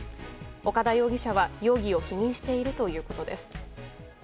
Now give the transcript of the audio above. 岡田容疑者は容疑を否認しているということです。